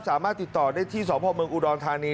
สามารถติดต่อได้ที่สพเมืองอุดรธานี